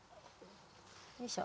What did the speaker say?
よいしょ。